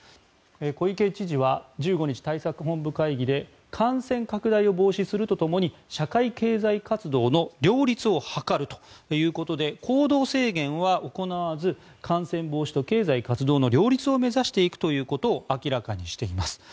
小池知事は１５日、対策本部会議で感染拡大を防止するとともに社会経済活動の両立を図るということで行動制限は行わず感染防止と経済活動の両立を目指していくということを明らかにしています。